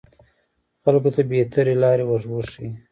خلکو ته بهترې لارې وروښيي